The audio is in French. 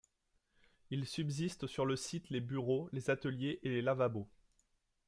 Il subsiste sur le site les bureaux, les ateliers, et les lavabos.